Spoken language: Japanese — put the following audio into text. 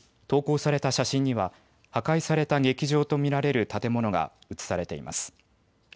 投稿された写真には破壊された劇場と見られる建物がうつされています。